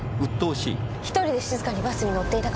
１人で静かにバスに乗っていたかったんです！